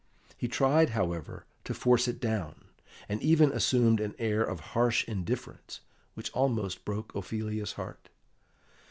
He tried, however, to force it down, and even assumed an air of harsh indifference which almost broke Ophelia's heart.